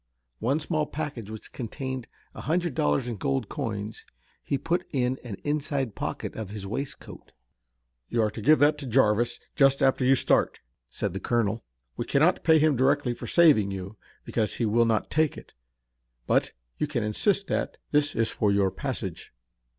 One small package which contained a hundred dollars in gold coins he put in an inside pocket of his waistcoat. "You are to give that to Jarvis just after you start," said the colonel. "We cannot pay him directly for saving you, because he will not take it, but you can insist that this is for your passage."